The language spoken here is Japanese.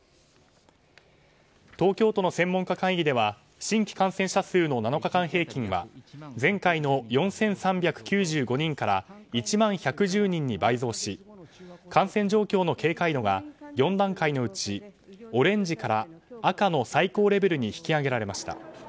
東京都の専門家会議では新規感染者数の７日間平均が前回の４３９５人から１万１１０人に倍増し感染状況の警戒度が４段階のうちオレンジから赤色の最高レベルに引き上げられました。